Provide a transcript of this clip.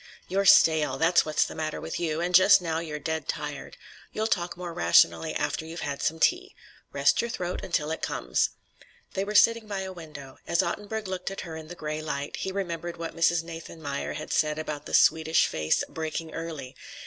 "You're stale; that's what's the matter with you. And just now you're dead tired. You'll talk more rationally after you've had some tea. Rest your throat until it comes." They were sitting by a window. As Ottenburg looked at her in the gray light, he remembered what Mrs. Nathanmeyer had said about the Swedish face "breaking early."